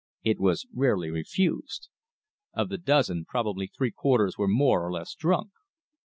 It was rarely refused. Of the dozen, probably three quarters were more or less drunk.